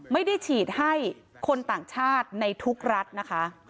ไม่ได้ฉีดให้คนต่างชาติในทุกรัฐนะคะ